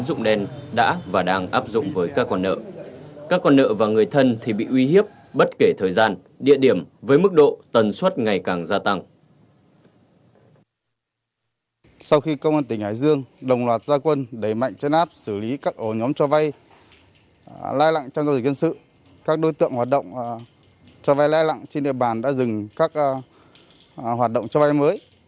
ở nhóm cho vay lãi lặng trong giao dịch dân sự các đối tượng hoạt động cho vay lãi lặng trên địa bàn đã dừng các hoạt động cho vay mới